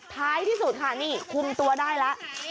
ท้ายที่สุดค่ะนี่คุมตัวได้แล้ว